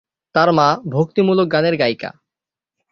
তার মা ভক্তিমূলক গানের গায়িকা।